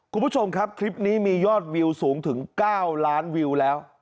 คุณผู้ชมครับคลิปนี้มียอดวิวสูงถึง๙ล้านวิวแล้ว